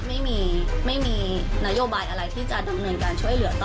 ไม่มีไม่มีนโยบายอะไรที่จะดำเนินการช่วยเหลือต่อ